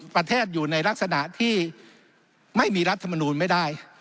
ประเทศอยู่ในลักษณะที่ไม่มีรัฐมนูลไม่ได้